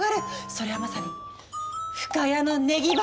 それはまさに深谷のネギ畑。